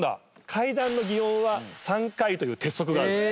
怪談の擬音は３回という鉄則があるんです。